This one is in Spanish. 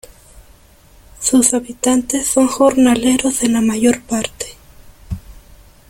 Sus habitantes son jornaleros en la mayor parte.